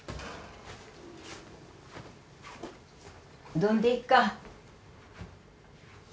うどんでいいか。